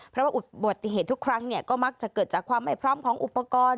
เพราะว่าอุบัติเหตุทุกครั้งก็มักจะเกิดจากความไม่พร้อมของอุปกรณ์